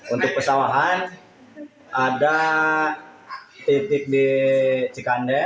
untuk pesawahan ada titik di cikande